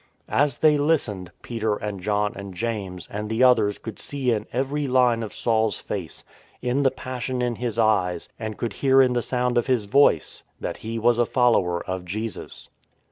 As they listened, Peter and John and James and the others could see in every line of Saul's face, in the passion in his eyes and could hear in the sound of his voice, that he was a follower of Jesus.